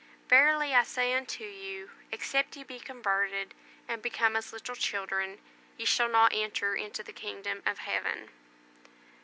"Verily I say unto you, Except ye be converted, and become as little children, ye shall not enter into the kingdom of heaven."